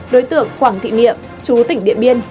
đối tượng quảng thị miệng chú tỉnh điện biên